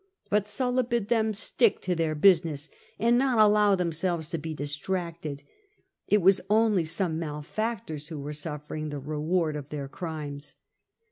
But Sulla bid them "" stick to their business and not allow themselves to be dis tracted ; it was only some malefactors who were suffering the reward of their crimes."